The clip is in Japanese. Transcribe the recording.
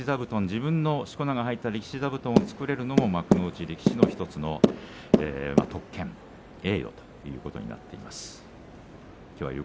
自分のしこ名が入った力士座布団を作れるのも幕内力士の１つの特権栄誉ということになっています。